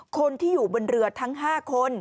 คนที่อยู่บนเรือทั้ง๕คน